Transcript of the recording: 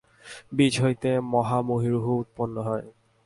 বীজ হইতে মহা মহীরুহ উৎপন্ন হয়।